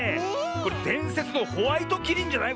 これでんせつのホワイトキリンじゃない？